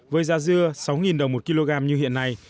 với giá dưa sáu đồng một kg như hiện nay